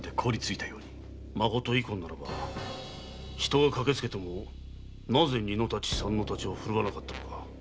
まこと遺恨ならば人が駆けつけてもなぜ二の太刀三の太刀をふるわなかったのだ？